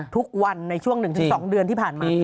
ทุกวันในช่วง๑๒เดือนที่ผ่านมา